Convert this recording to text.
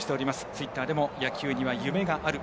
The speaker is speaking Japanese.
ツイッターでも「＃野球には夢がある」